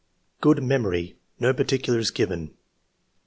Good memory, no particulars given.